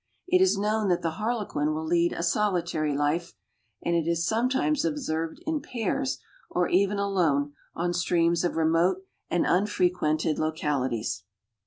It is known that the Harlequin will lead a solitary life, and it is sometimes observed in pairs or even alone on streams of remote and unfrequented localities.